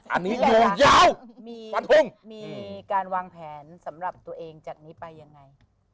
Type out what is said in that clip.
อันนี้ยาวมีฟันทงมีการวางแผนสำหรับตัวเองจากนี้ไปยังไง